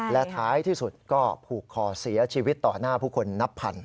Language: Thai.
และท้ายที่สุดก็ผูกคอเสียชีวิตต่อหน้าผู้คนนับพัน